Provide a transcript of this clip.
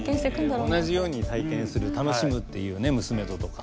同じように体験する楽しむっていうね娘ととか。